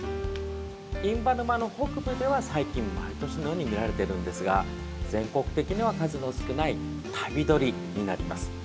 印旛沼の北部では最近、毎年のように見られているんですが全国的には数の少ない旅鳥になります